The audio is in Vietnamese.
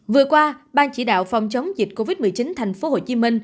vừa qua ban chỉ đạo phòng chống dịch covid một mươi chín tp hcm